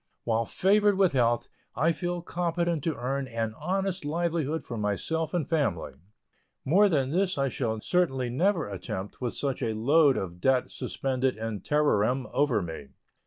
While favored with health, I feel competent to earn an honest livelihood for myself and family. More than this I shall certainly never attempt with such a load of debt suspended in terrorem over me.